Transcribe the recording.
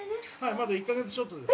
まだ１か月ちょっとです。